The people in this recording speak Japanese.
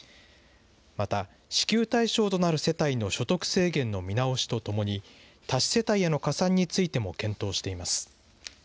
また、支給対象となる世帯の所得制限の見直しとともに、多子世帯への加算についても検討しています。